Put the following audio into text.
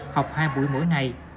học hai buổi mỗi ngày